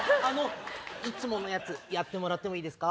いつものやつやってもらってもいいですか？